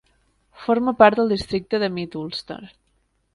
Forma part del districte de Mid-Ulster.